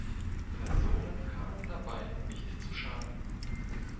Personen kamen dabei nicht zu Schaden.